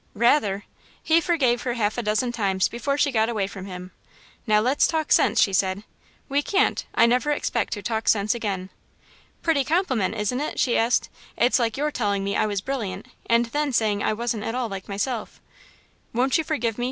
"Rather!" He forgave her half a dozen times before she got away from him. "Now let's talk sense," she said. "We can't I never expect to talk sense again." "Pretty compliment, isn't it?" she asked. "It's like your telling me I was brilliant and then saying I wasn't at all like myself." "Won't you forgive me?"